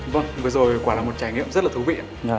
vâng vừa rồi quả là một trải nghiệm rất là thú vị